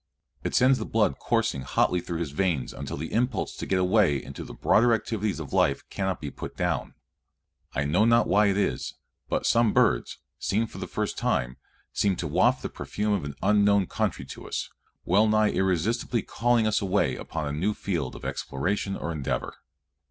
It sends the blood coursing hotly through his veins until the impulse to get away into the broader activities of life cannot be put down. I know not why it is, but some birds, seen for the first time, seem to waft the perfume of an unknown country to us, well nigh irresistibly calling us away upon a new field of exploration or endeavor.